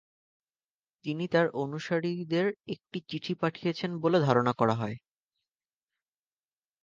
তিনি তাঁর অনুসারীদের একটি চিঠি পাঠিয়েছিলেন বলে ধারণা করা হয়।